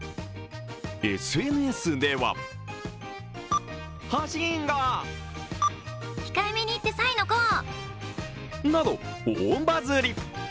ＳＮＳではなど大バズリ。